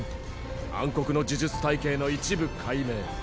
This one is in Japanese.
暗黒の呪術体系の一部解明。